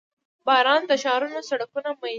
• باران د ښارونو سړکونه مینځي.